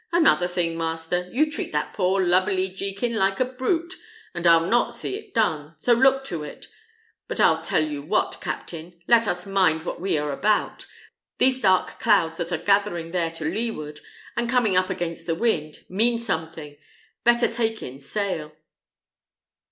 Another thing, master: you treat that poor lubberly Jekin like a brute, and I'll not see it done, so look to it. But I'll tell you what, captain: let us mind what we are about. These dark clouds that are gathering there to leeward, and coming up against the wind, mean something. Better take in sail."